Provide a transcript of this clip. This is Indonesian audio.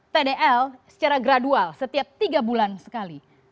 tdl secara gradual setiap tiga bulan sekali